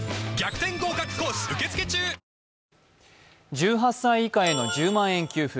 １８歳以下への１０万円給付。